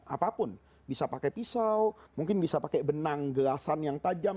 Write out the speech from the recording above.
apapun bisa pakai pisau mungkin bisa pakai benang gelasan yang tajam